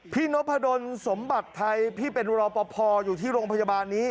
นพดลสมบัติไทยพี่เป็นรอปภอยู่ที่โรงพยาบาลนี้